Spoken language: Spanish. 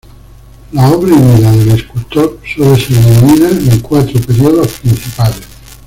La obra y vida del escultor suele ser dividida en cuatro periodos principales.